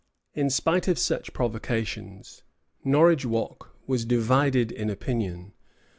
In spite of such provocations, Norridgewock was divided in opinion.